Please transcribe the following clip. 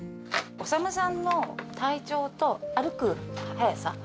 修さんの体調と歩く速さ。